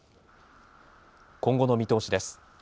今後の見通しです。